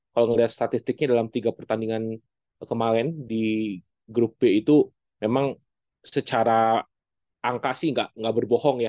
kalau ngelihat statistiknya dalam tiga pertandingan kemarin di grup b itu memang secara angka sih nggak berbohong ya